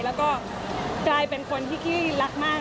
แล้วก็กลายเป็นคนที่ขี้รักมาก